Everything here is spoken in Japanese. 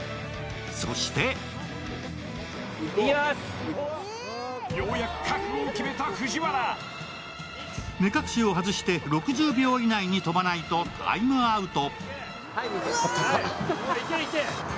そして目隠しを外して６０秒以内に飛ばないとタイムアウト。